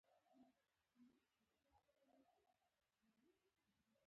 د پلار زحمتونه د اولاد راتلونکی جوړوي.